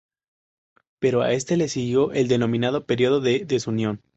Pero a este le siguió el denominado periodo de desunión.